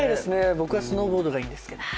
僕はスノーボードがいいですけど。